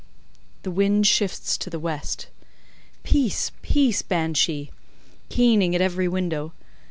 The wind shifts to the west. Peace, peace, Banshee—"keening" at every window!